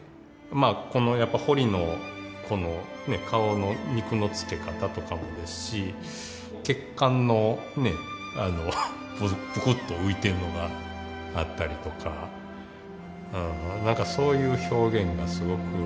まあこのやっぱ彫りのこのね顔の肉のつけ方とかもですし血管のねぷくっと浮いているのがあったりとかなんかそういう表現がすごく